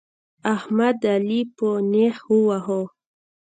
احمد؛ علي په نېښ وواهه.